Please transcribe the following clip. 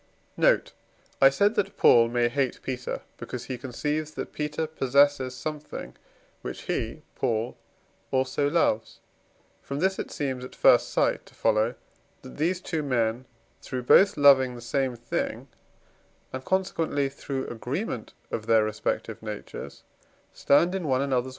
Note. I said that Paul may hate Peter, because he conceives that Peter possesses something which he (Paul) also loves; from this it seems, at first sight, to follow, that these two men, through both loving the same thing, and, consequently, through agreement of their respective natures, stand in one another's way; if this were so, Props.